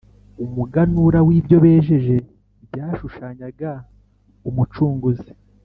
, umuganura w’ibyo bejeje, byashushanyaga Umucunguzi.